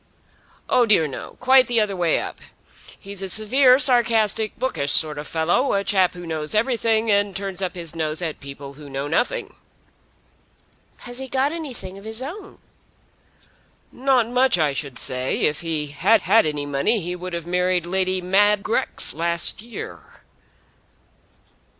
"Oh dear no; quite the other way up. He's a severe, sarcastic, bookish sort of fellow, a chap who knows everything and turns up his nose at people who know nothing." "Has he got anything of his own?" "Not much, I should say. If he had had any money he would have married Lady Mab Grex last year."